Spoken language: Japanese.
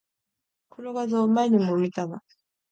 この画像、前にも見たな